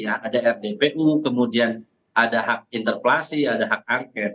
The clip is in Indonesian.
ada rdpu kemudian ada hak interpelasi ada hak angket